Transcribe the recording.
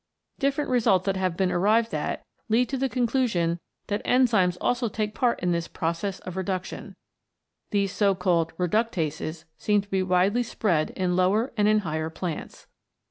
Different results that have been arrived at lead to the con clusion that enzymes also take part in this process 120 CATALYSIS AND THE ENZYMES of reduction. These so called Reductases seem to be widely spread in lower and in higher plants.